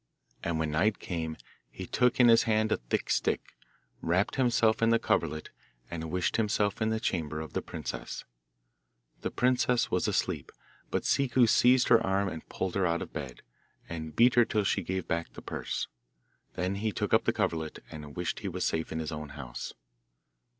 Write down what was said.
And when night came he took in his hand a thick stick, wrapped himself in the coverlet, and wished himself in the chamber of the princess. The princess was asleep, but Ciccu seized her arm and pulled her out of bed, and beat her till she gave back the purse. Then he took up the coverlet, and wished he was safe in his own house.